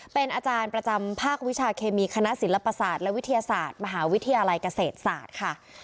เป็นอาจารย์ประจำภาควิชาเคมีคณะศิลปศาสตร์และวิทยาศาสตร์มหาวิทยาลัยเกษตรศาสตร์ค่ะ